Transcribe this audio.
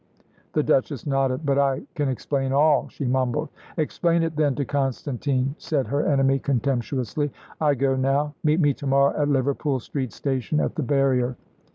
The Duchess nodded. "But I can explain all," she mumbled. "Explain it, then, to Constantine," said her enemy, contemptuously. "I go now. Meet me to morrow at Liverpool Street Station at the barrier.